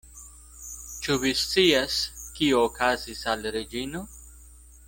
Ĉu vi scias, kio okazis al Reĝino?